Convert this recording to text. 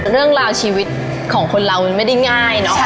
เรื่องราวชีวิตของคนเรามันไม่ได้ง่ายเนอะ